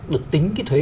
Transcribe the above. được tính cái thuế